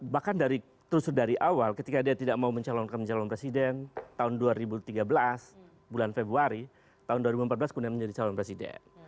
bahkan terus dari awal ketika dia tidak mau mencalonkan calon presiden tahun dua ribu tiga belas bulan februari tahun dua ribu empat belas kemudian menjadi calon presiden